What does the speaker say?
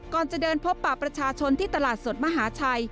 ก่อนจะเดินพบป่าประชาชนที่ตลาดสดมหาชัย